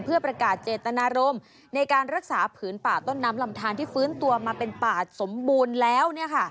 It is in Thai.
เพื่อประกาศเจตนารมณ์ในการรักษาผืนป่าต้นน้ำลำทานที่ฟื้นตัวมาเป็นป่าสมบูรณ์แล้ว